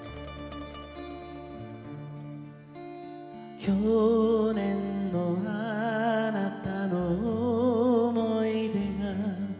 「去年のあなたの想い出が」